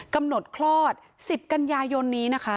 กำหนดคลอด๑๐กันยายนนี้นะคะ